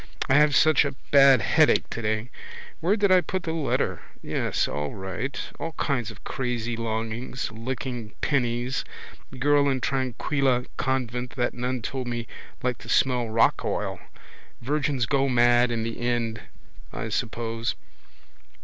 I have such a bad headache today. Where did I put the letter? Yes, all right. All kinds of crazy longings. Licking pennies. Girl in Tranquilla convent that nun told me liked to smell rock oil. Virgins go mad in the end I suppose.